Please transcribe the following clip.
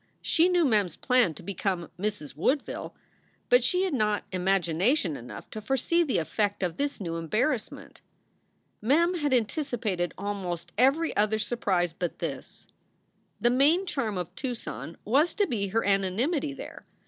She knew Mem s plan to become "Mrs. Woodville," but she had not imagination enough to foresee the effect of this new embarrassment. Mem had anticipated almost every other surprise but this. 86 SOULS FOR SALE The main charm of Tucson was to be her anonymity there.